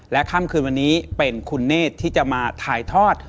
ค่ำคืนวันนี้เป็นคุณเนธที่จะมาถ่ายทอด